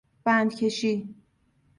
بند کشی